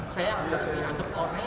saya harus dianggap orne